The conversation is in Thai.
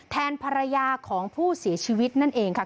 ภรรยาของผู้เสียชีวิตนั่นเองค่ะ